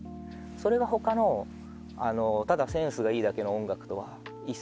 それが他のただセンスがいいだけの音楽とは一線を画する。